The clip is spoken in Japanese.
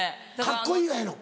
カッコいいがええの。